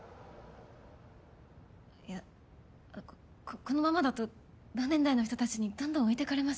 いやあっここのままだと同年代の人たちにどんどん置いてかれます。